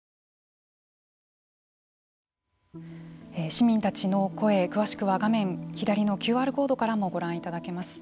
市民たちの声詳しくは画面左のＱＲコードからもご覧いただけます。